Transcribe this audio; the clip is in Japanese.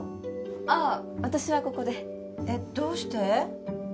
ああ私はここでえっどうして？